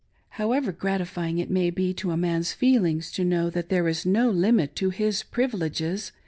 However gratifying it may be to a man's feelings to know that there is no limit to his privileges